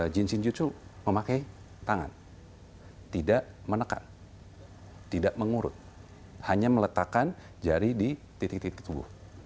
jinshin jutsu memakai tangan tidak menekan tidak mengurut hanya meletakkan jari di titik titik tubuh